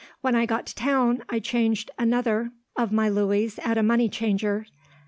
When I got to town, I changed another of my louis at a money changer's.